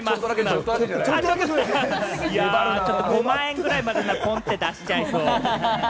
いや、５万円くらいまでならポンって出しちゃいそう。